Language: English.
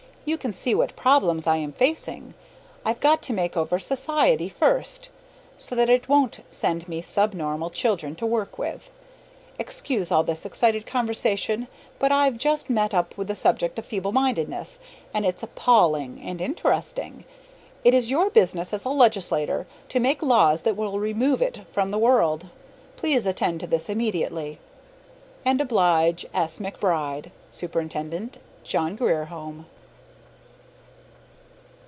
you can see what problems I am facing. I've got to make over society first, so that it won't send me sub normal children to work with. Excuse all this excited conversation; but I've just met up with the subject of feeble mindedness, and it's appalling and interesting. It is your business as a legislator to make laws that will remove it from the world. Please attend to this immediately, And oblige, S. McBRIDE, Sup't John Grier Home.